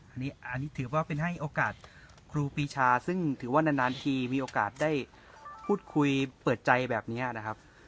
อันนี้ถือว่าเป็นให้โอกาสครูปีชาซึ่งถือว่านานทีมีโอกาสได้พูดคุยเปิดใจแบบนี้นะครับ